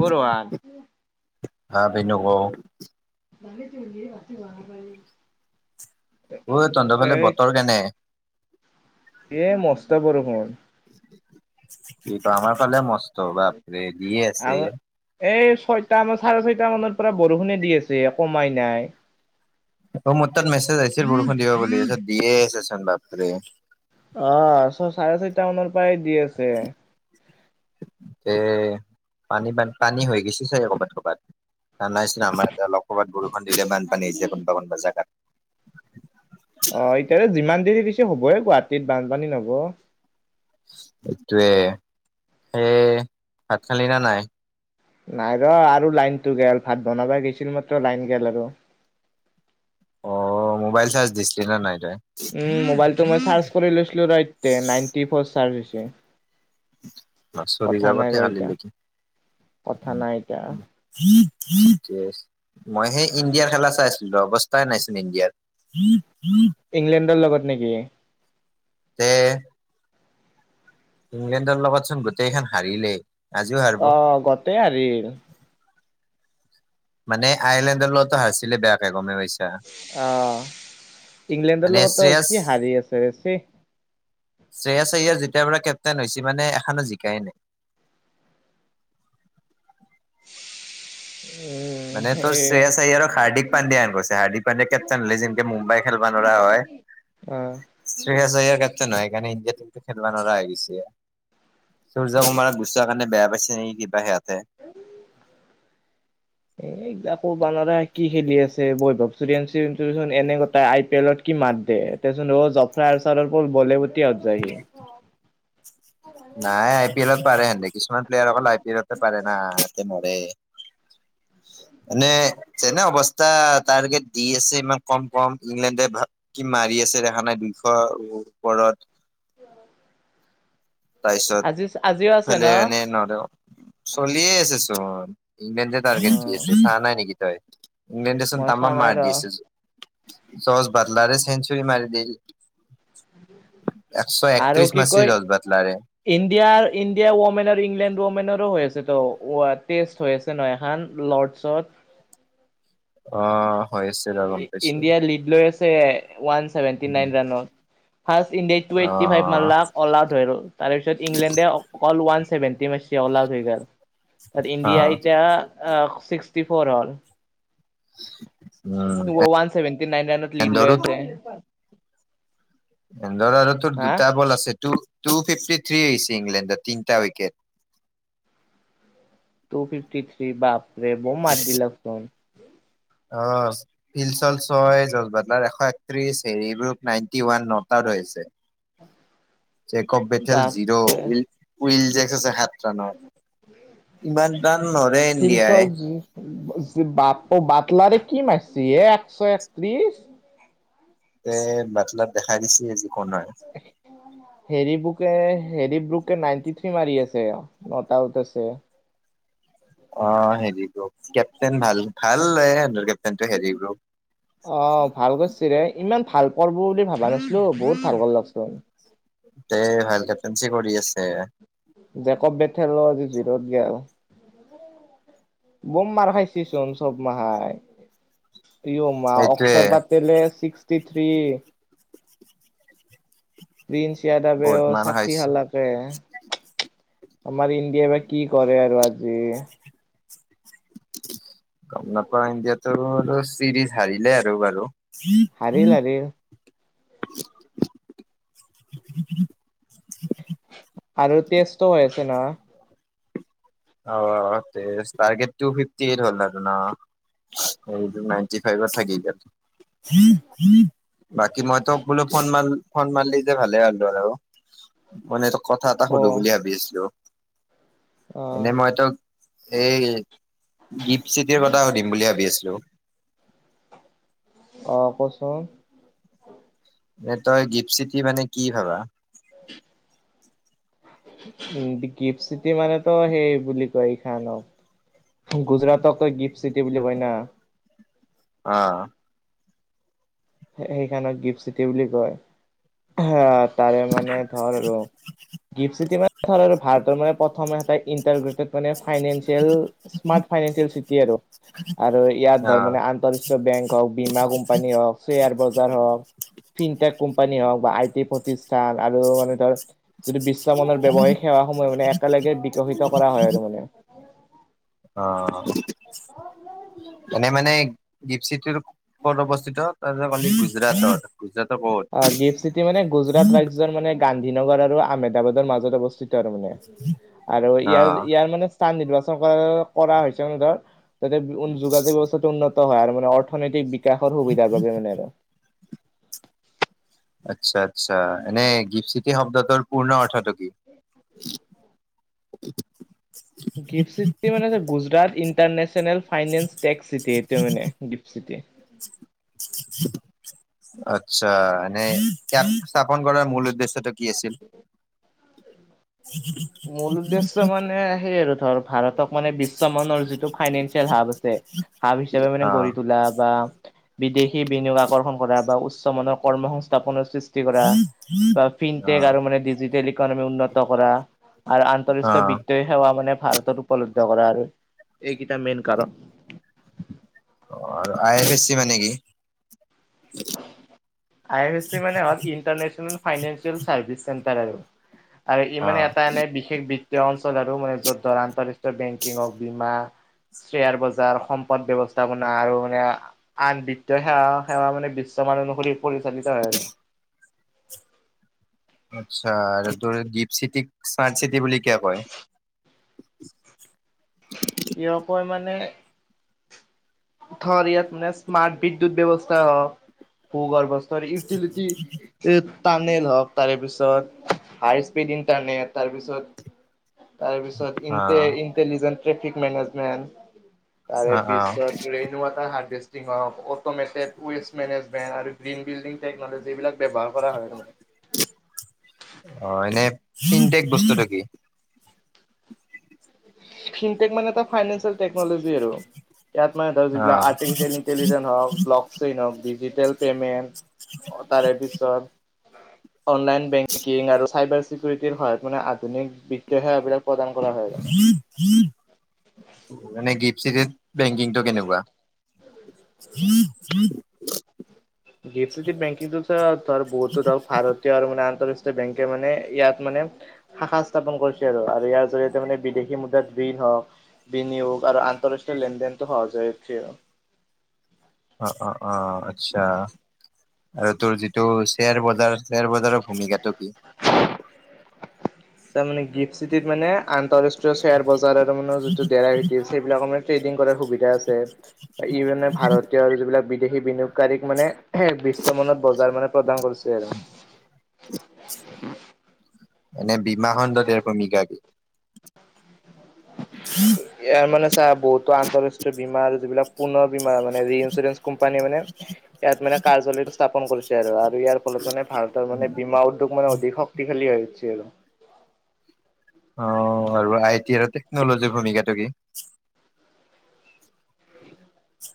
ও ৰোহান হা পিনো কৌ ৰাতি পিন্ধি ৰাতি দেখা পাই [unintelligible] ঐ তনধৰ ফালে এই বতৰ কেনে? এ মস্ত বৰষুণ এই বা আমাৰ ফালে মস্ত বাপৰে দিয়ে আম আছে। এই ছয়টা মান চাৰে ছয়টা মানৰ পৰা বৰষুণে দি আছে কমাই নাই। অ মোৰ তাত মেছেজ আহিছিল বৰষুণ দিব বুলি তাৰপিছত দিয়ে আছেচোন বাপৰে আহ ছ চাৰে ছয়টা মানৰ পৰাই দি আছে এ, পানী বান পানী হৈ গৈছে চাগে ক'বাত ক'বাত জানাইচোন আমাৰ ইয়াত অলপ কবাত বৰষুণ দিলেই বান পানী হৈ যায় কোনবা কোনবা জাগাত। অ এতিয়া যিমান দেৰি দিছি হবয়ে গুৱাহাটীত বানপানী নহব। এইটোৱে, সেই ভাত খালি না নাই? নাই ৰ আৰু লাইনটো গেল, ভাত বনাবা গেইছিল মাত্ৰ লাইন গেল আৰু। অ, মোবাইল চাৰ্জ দিছিলি না নাই তই? উম মোবাইলটো মই চাৰ্জ কৰি লৈছিলো ৰ ইট্টে নাইনটি ফৰ চাৰ্জ হৈছে। চলি কথা জাব নাই দে ৰ এতিয়া কালিলৈকে। কথা উম নাই এতিয়া উমিক ঠিকে আছে মই সেই ইণ্ডিয়াৰ খেলা চাই আছলো ৰ অৱস্থাই নাই চোন ইণ্ডিয়াৰ। ইংলেণ্ডৰ লগত নেকি? তে, ইংলেণ্ডৰ লগতচোন গোটেইখান হাৰিলেই। আজিও হাৰিব অ গোটেই হাৰিল। মানে আইলেণ্ডৰ লগতো হাৰছিলে বেয়াকে গমেই পাইছা। অ, ইংলেণ্ডৰ মানে লগতো শ্ৰেয়াছ কি হাৰি আছে, ছি। শ্ৰেয়াছ আইয়াৰ যেতিয়াৰ পৰা কেপ্টেইন হৈচি মানে এখানো জিকাই নাই। উম। মানে ত সেই শ্ৰেয়াছ আইয়াৰক হাৰ্দিক পাণ্ডিয়া হেন কৰছে, হাৰ্দিক পাণ্ডিয়া কেপ্টন হলি যেনেকে মুম্বাই খেলবা নৰা হয়। অ। শ্ৰেয়াস আয়াৰ কেটেইন হই সেইকাৰনে ইণ্ডিয়া টিমটো খেলব নোৰা হৈ গেইচি সূৰ্য কুমাৰক গুচোৱাৰ কাৰণে বেয়া পাইচি নেকি কিবা সিহঁতে- উ [unintelligible] এ আকৌ বানাৰা কি খেলি আছে বৈভৱ চ [unintelligible] এনে গটাই আই পি এলত কি মাত দে। তেচোন ৰ 'জাত্ৰ অফৰা আৰ চাল প বলেবুতি আত যায়ি। নাই, আই পি এলত পাৰে হেনধে কিছুমান প্লেয়াৰ অকল আই পি এলতে পাৰে। না হেতে নৰে। উম। [unintelligible] এনে তেনে অৱস্থা টাৰ্গেট দি আছে ইমান কম কম ইংলেণ্ডে ভাল- কি মাৰি আছে দেখা নাই দুইশ ওপৰত। তাৰপিছত, আজি আজিও, আছে ন ফালে এনে নোৱাৰো। চলিয়ে আছে চোন ইংলেণ্ডে অ তাৰগেত দি আছে, চোৱা নাই নেকি তই? ইংলেণ্ডে চোন মই চোৱা তামাম নাই ৰ মাৰডি আছে ছো, চছ বাদলাৰে চেঞ্জ- মাৰ দি, একশ আৰু একত্ৰিছ কি মাৰছি কয় বাটলাৰে ইণ্ডিয়াৰ ইণ্ডিয়া ওমেন আৰু ইংলেণ্ড ওমেনৰো হৈ আছে ত অ আ তেচ- থৈ আছে ন, এখান লৰ্ডছত- অঁ হৈছ- ই ইণ্ডিয়া লীড লৈ আছে ওৱানচেভেনভটি নাইন ৰানৰ, ফাৰ্ষ্ট ইণ্ডিয়াই টু অ এইটি ফাইভ মাৰ লাক অল‌আউট হৈ গল। তাৰপিছত ইংলেণ্ডে অল ওৱান ছেভেণ্টি মাৰছি অল আউট হৈ গ'ল, তাত অ ইণ্ডিয়া এতিয়া- অ ছিক্সটি ফ'ৰ হল- [inaudible] ওৱান চেভেণ্টি নাইন ৰাইনত লিদ এন্দৰো লৈ আছে। হেতঁৰ আৰু তোৰ হা দুটা বল আছে টু, টু ফিফটি থীছি ইংলেণ্ডৰ তিনিটা উইকেট- টু ফিফটি থ্ৰী বাপৰে বহু মাৰ দিলে চোন। অ‍ঁ শিলচল ছয় জজবাদলাৰ এশ একত্ৰিশ হেৰিব্ৰুপ নাইনটি ওৱান নটাৰ হৈছে- চেক অপ বেথেল জিৰো বাপৰে উইল উইল যে আছে সাত- জানত, ইমান টান নৰে ফিলচল ইণ্ডিয়াই- বাটলাৰে কি মাৰছি একশ একত্ৰিশ- এ বাটলাত দেখাই দিছে যি কোন হয়। হেৰি বুকে হেৰি বুকে নাইনটি থ্ৰী মাৰি আছে ন আউট আছে। অ হেৰি বুক কেপ্টেইন ভাল ভাল লৈ আহে কেপ্টেইন হেৰি বুক। অ ভাল কৰিছ ৰে ইমান ভাল পোৱা বুলি ভাবা নাছিলো বহুত ভাল কৰিলাক চোন- তে ভাল কেটনঞ্চি কৰি আছে। জেকব বেথেল আজি জিৰত গেল - বম মাৰ খাইছেচোন চব মাহাই ইঅ মাহ সেইটোয়ে অক্সৰবাদ- তেলে ছিক্সটি থ্ৰী। প্ৰিন্স ইয়াৰদবে বহুত অ মান ষাঠি খাইছে। হালাক। কে আমাৰ ইণ্ডিয়া বা কি কৰে আৰু আজি- গম নাপাওঁ, ইণ্ডিয়াতো আৰু চিৰিজ হাৰিলে আৰু বাৰু- হাৰিল হাৰিল। উ [inaudible] আৰু তেছটো হয় আছে নহয় অ test target two fifty eight হ'ল আৰু ন সেইটো নাইটি ফাইভ থাকি গ'ল বাকী মই তোক বোলে ফোন মাৰ- ফোন মাৰলি যে ভালে হ'লো আৰু মানে ত কথা এটা ক সুধো বুলি ভাবি আছিলো। অ এনে মই তোক এই গিফ্ট চিটিৰ কথা সুধিম বুলি ভাবি আছিলো। অঁ কচোন। এ তই গিফচিটি মানে কি ভাবা? [unintelligible] উ গিফ্ট চিটি মানে তো সেই বুলি কয় এই খানক- গুজৰাটক কয় গিফ্ট চিটি বুলি কয় না। অ, সেইকাৰণে গিফ্ট চিটি বুলি কয়। আহ তাৰে মানে- এ ধৰ আৰু গিফ্ট মানে ধৰ ভাৰতৰ মানে প্ৰথম ইটাৰ্ৰ, মানে ফাইনেচিয়েল স্মাৰ্ট ফাইনেচিয়েল চিটি আৰু, আৰু ইয়াত অ ধৰ মানে আন্ত- বেংক অফ, বিমা কম্পী অফ- শ্বেয়াৰ বজাৰ হওক ফিনটেক কোম্পানী হওক বা আই টি প্ৰতিষ্ঠান আৰু মানে ধৰ যিটো বিশ্ব মানৰ ব্যৱসায়িক সেৱাস সমূহে মানে একেলগে বিকশিত কৰা হয়। আৰু মানে, অ, এনে মানে গিফ্টচিটিৰ কত অৱস্থিত তই যে কলি গুজৰাটত। গুজৰাটৰ ক'ত অ গিফ্ট চিটি মানে গুজৰাট ৰাজ্যত মানে, গান্ধীনগৰ আৰু আহমেদাবাদৰ মাজত অৱস্থিত আৰু মানে আৰু অ ইয়াৰ ইয়াৰ মানে, স্থান নিৰ্বাচন কৰা কৰা হৈছেন ধৰ যাতে যোগাযোগ ব্যৱস্থাটো উন্নত, হয় আৰু মানে অৰ্থনৈতিক বিকাশৰ সুবিধাৰ বাবে মানে আৰু আচ্ছা আচ্ছা এনে গিফ্ট চিফ, শব্দটোৰ পূৰ্ণ অৰ্থটো কি। গিফ্ট চিটি মানে Gujarat international. Finance tax city এইটো মানে গিফ্ট চিটি। [unintelligible] আচ্ছা এনে ইয়াত স্থাপন কৰাৰ মূল উদ্দেশ্যটো, কি আছিল। মূল উদ্দেশ্য মানে সেই আৰু ধৰ ভাৰতক, মানে বিশ্বমানৰ যিটো ফাইনেঞ্চিয়েল হাব আছে হাব হিচাপে মানে অ গঢ়ি তোলা বা, বিদেশী বিনিয়োগ আকৰ্ষণ কৰা বা উচ্চমানৰ কৰ্ম সংস্থাপনৰ সৃষ্টি, কৰা বা অ ফিনটেক আৰু মানে ডিজিটেল ইকনমি উন্নত কৰা। আৰু অ আন্তৰাষ্ট্ৰীয় বিত্ত সেৱা মানে ভাৰতত উপলব্ধ কৰা আৰু এইকেইটা মেইন কাৰণ। অ আই এফ এছ চি মানে কি। [unintelligible] আই অফ চি মানে হল ইটাৰনেচনেল ফাইনেনচিয়েল চাৰ্ভিচ চেন্টাৰ আৰু আৰু অ ইমানে এটা এনে বিশেষ বিত্তীয় অঞ্চল আৰু মানে য'ত ধৰা আন্তঃৰাষ্ট্ৰীয় বেংকিং অফ বীমা। শ্বেয়াৰ বজাৰ সম্পদ ব্যৱস্থাপনা আৰু মানে আন বিত্তীয় সেৱা সেৱা মানে। বিশ্বামান অনুসৰি পৰিচালিত হয় আৰু আচ্ছা আৰু তোৰ দীপ চিটিক স্মাৰ্ট চিটি বুলি কিয় কয়। কিয় কয় মানে। ধৰ ইয়াত মানে স্মাৰ্ট বিদ্যুত ব্যৱস্থা ভূ গৰ্ভস্থৰ ইউটিলিটি। টানেল হওক তাৰে পিছত হাই স্পীড ইন্টাৰনেট তাৰপিছত, অ তাৰপিছত ইটেলিজ ট্ৰেফিক মেনেজমেণ্ট। তাৰে অ অ পিছত ৰেণ ওৱাটাৰ হা অট'মেটেড ৱেষ্ট মেনেজমেন্ট আৰু গ্ৰীণ বিল্ডিং টেকনলজী এইবিলাক ব্যৱহাৰ কৰা হয়। অ এনে পিনটেক বস্তুটো কি। ফিনটেক মানে এটা ফাইনেন্ঞ্চিয়েল টেকনলজি আৰু ইয়াত মানে তই অ যিবিলাক আৰটি ফিচিয়েল ইণ্টেলিজেন হওঁক, চ হওক ডিজিটেল পেমেণ্ট তাৰে পিছত, অনলাইন বেংকিং আৰু চাইবাৰ চিকিউৰিটিৰ সহায়ত মানে আধুনিক বিত্তীয় সেৱাবিলাক প্ৰদান কৰা হয়। মানে গিফ্ট চিটি বেংকিংটো কেনেকুৱা। [inaudible] গিফ্ট চিটি বেংকিংটো ধৰ বহুতো ধৰক ভাৰতীয় আৰু মানে আন্তঃৰাষ্ট্ৰীয় বেংকে মানে ইয়াত মানে। শাখা স্থাপন কৰিছে আৰু আৰু ইয়াৰ জৰিয়তে মানে বিদেশী মুদ্ৰাত ঋণ হওক। বিনিয়োগ আৰু আন্তঃৰাষ্ট্ৰীয় লেনদেনতটো সহজ হৈ উঠে‌ অ' অ' অ' আচ্ছা। আৰু তোৰ যিটো শ্বেয়াৰ বজাৰ শ্বেয়াৰ বজাৰৰ ভূমিকাটো কি। তাৰ মানে গিফ্ট চিটিত মানে আন্তঃৰাষ্ট্ৰীয় শ্বেয়াৰ বজাৰৰ মানে যিটো ডেৰা, সেইবিলাকৰ মানে ট্ৰেডিং কৰাৰ সুবিধা আছে। ইউৰেনে ভাৰতীয় আৰু যিবিলাক বিদেশী বিনিয়োগ কাৰীক মানে, বিশ্বমানত বজাৰ মানে, প্ৰদান কৰিছে আৰু এনে, বীমা খণ্ডত ইয়াৰ ভূমিকা কি? ইয়াৰ মানে চা, বহুতো আন্তঃৰাষ্ট্ৰীয় বীমা আৰু যিবিলাক পুনৰ বীমা মানে, যি ইঞ্চুৰেঞ্চ কোম্পানী মানে ইয়াত মানে কাৰ্যালয়টো স্থাপন কৰিছে আৰু, আৰু ইয়াৰ ফলত মানে ভাৰতৰ মানে বীমা উদ্যোগ মানে অধিক খালী খালী হৈ গৈছে আৰু। অ আৰু আই টি আৰু টেকনলজিৰ ভূমিকাটো কি?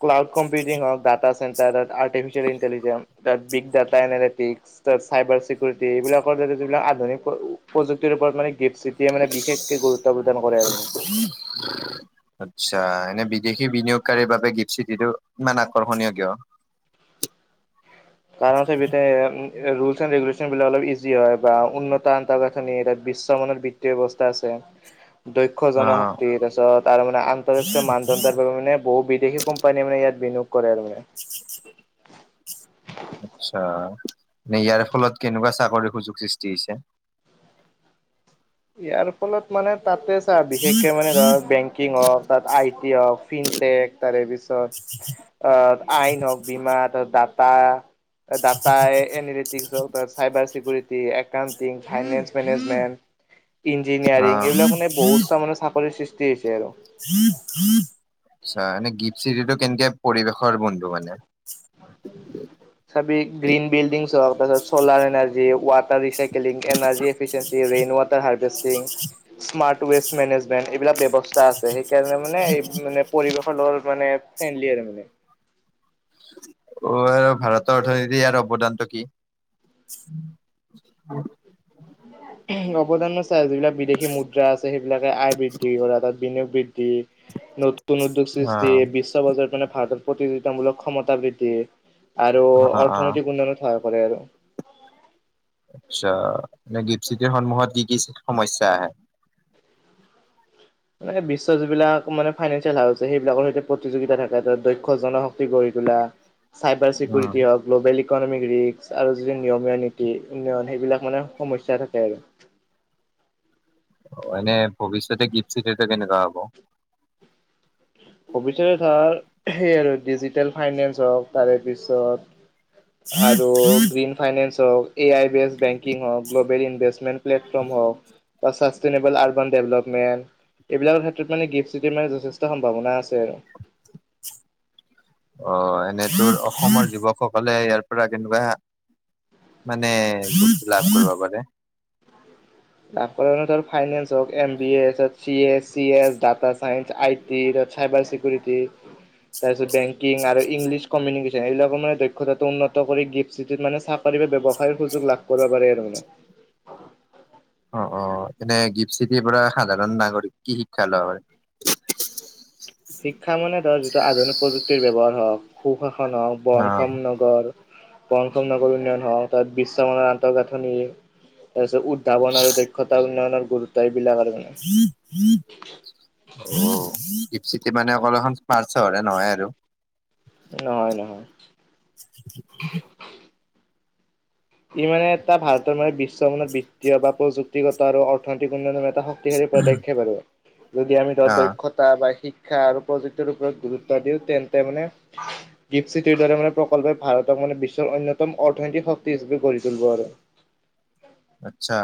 ক্লাউড কম্পউটিং হওক, ডাটা চেণ্টাৰ হ'ক, তাত আৰ্টিফিচিয়েল ইণ্টেলিজেন্ঞ্চ, তাত big, data analytics cyber security, এইবিলাকৰ যিবিলাক আধুিক প্ৰুক্তিৰ ওপৰত মানে মানে, বিশেষকে গুৰুত্ব প্ৰদান কৰে আৰু। [unintelligible] আচ্ছা! এনে বিদেশী বিনিয়োগকাৰীৰ বাবে গীপ চিটিটো ইমান আকৰ্ষণীয় কিয়? কাৰণ হৈছে মেটা এই আই [unintelligible] ৰুলচ এণ্ড ৰেগুলেশ্যনবিলাক অলপ ইজি হয় বা উন্নত আন্তঃগাঁথনি, আৰু তাত বিশ্বমানৰ বিত্তীয় ব্যৱস্থা আছে। দক্ষ অ জনশক্তি, তাৰপিছত আৰু মানে আন্তৰাষ্ট্ৰীয় মানদণ্ডৰ বাবে মানে বহু বিদেশী কোম্পানীয়ে মানে ইয়াত বিনিয়োগ কৰে আৰু মানে। [unintelligible] আচ্ছা! মানে ইয়াৰ ফলত কেনেকুৱা চাকৰিৰ সুযোগ সৃষ্টি হৈছে? ইয়াৰ ফলত মানে তাতে চা, বিশেষকে মানে ধৰ বেংকিং হ'ল তাত আই টি হওক, ফিনটেক তাৰে পিছত অ' আইন হওক, বীমা ত' দাতা, দাতাই এনে [unintelligible] cyber security accounting, finance, management engineering, অ এইবিলাক মানে বহুত চাম মানে চাকৰিৰ সৃষ্টি হৈছে আৰু। আচ্ছা! গিট চিৰিটো কেনেকে পৰিৱেশৰ বন্ধু মানে? চাবি, গ্ৰীন বিল্ডিংছ হ'ক, তাৰপিছত solar energy water recycling, energy efficiency, water harvesting smart waste management, এইবিলাক ব্যৱস্থা আছে, সেইকাৰণে মানে, মানে পৰিৱেশৰ লগত মানে, ফ্ৰেণ্ডলি আৰু মানে। অ' আৰু ভাৰতৰ অৰ্থনীতি ইয়াৰ অৱদানটো কি? অৱদানৰ চা, যিবিলাক বিদেশী মুদ্ৰা আছে সেইবিলাকে আয় বৃদ্ধি কৰা ত বিনিয়োগ বৃদ্ধি, নতুন উদ্যোগ সৃষ্টি অ' ত মানে ভাৰতৰ প্ৰতিযোগিতামূলক ক্ষমতা বৃদ্ধি, আৰু অ' অ' অৰ্থনৈতিক উন্নয়নত সহায় কৰে আৰু। আচ্ছা! গিফ্ট চিটিৰ সন্মুখত কি কি সমস্যা আহে? মানে বিশ্বৰ যিবিলাক মানে ফাইনেন্ঞ্চিয়েল হাউছ আছে, সেইবিলাকৰ সৈতে প্ৰতিযোগিতা থাকে, ত' দক্ষ জন গঢ়ি তোলা, চাইবাৰ উম, চিকিউৰিটি হওক, গ্ল'বেল ইকনমিক ৰিক্স, আৰু যি নিয়মীয়া নীতি, উন্নয়ন, সেইবিলাক মানে সমস্যা থাকে আৰু। মানে ভৱিষ্যতে গিফ্ট চিটিটো কেনেকুৱা হ'ব? ভবিষ্যতে ধৰ, সেইয়ে আৰু ডিজিটেল ফাইনেন্স হওক তাৰে পিছত আৰু গ্ৰীণ ফাইনেন্স হওক। এ আই বেছড বেংকিং হওক, গ্ল'বেল ইনভেষ্টমেট প্লেটফৰ্ম হওক। বা চাষ্টেইনেবল আৰ্বান ডেভেলপমেণ্ট, এইবিলাকৰ ক্ষেত্ৰত মানে গিফট চিটিৰ মানে যথেষ্ট সম্ভাৱনা আছে। আছে আৰু। অ এনে তোৰ অসমৰ যুৱকসকলে ইয়াৰ পৰা কেনেকুৱা মানে, লাভ কৰিব পাৰে? তাৰ পৰানো তোৰ ফাইনেন্স হওঁক, এম বি এ আছে, C A, C S, data science আই তিৰ চাইভাৰ চিকৰিতি তাৰপিছত বেংকিং আৰু ইংলিছ কমিউনিকেশন এইবিলাকৰ মানে দক্ষতাটো উন্নত কৰি গিফ্ট চিটিত মানে চাকৰি বা ব্যৱসায়ৰ সুযোগ লাভ কৰিব পাৰে আৰু মানে। অ অ এনে গিফট চিটিৰ পৰা সাধাৰণ নাগৰিক কি শিক্ষা লব পাৰে? শিক্ষা মানে ধৰ যিটো আধুনিক প্ৰযুক্তিৰ ব্যৱহাৰ হওক, সুশাসন হওক, অ' বনক্ষম ন গৰ, পঞ্চম নগৰ উন্নয়ন হওঁক, ধৰ বিশ্বমানৰ আন্তঃগাঁথনি তাৰপিছত উদ্ভাৱন আৰু দক্ষতা উন্নয়নৰ গুৰুত্ব এইবিলাক আৰু মানে। অ গিপচিটি মানে অকলখন স্মাৰ্ট চহৰে নহয় আৰু। নহয় নহয়। উ [inaudible] ই মানে এটা ভাৰতৰ মানে বিশ্বমানত বিত্তীয় বা প্ৰযুক্তিগত আৰু অৰ্থনৈতিক উন্নয়নৰ এটা স তিশালি পদক্ষেপ আৰু যদি আমি দথ অ' দক্ষত তা বা শিক্ষা আৰু প্ৰযুক্তিৰ ওপৰত গুৰুত্ব দিওঁ তেন্তে মানে দ্বীপ চিটিৰ দ্বাৰা মান প্ৰকল্পে ভাৰতক মানে বিশ্বৰ অন্যতম অৰ্থনৈতিক শক্তি হিচাপে গঢ়ি তুলিব আৰু। আচ্ছা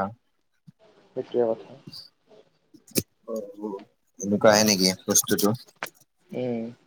সেইটোৱে কথা। অ অ এনেকুৱা আহে নেকি বস্তুটো? উম।